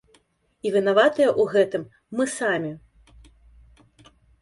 І вінаватыя ў гэтым мы самі.